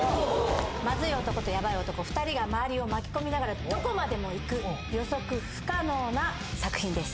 マズい男とヤバい男２人が周りを巻き込みながらどこまでも行く予測不可能な作品です